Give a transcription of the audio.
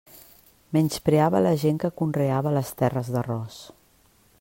Menyspreava la gent que conreava les terres d'arròs.